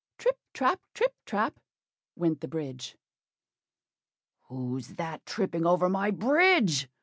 "Trip, trap! trip, trap!" went the bridge. "Who's that tripping over my bridge?"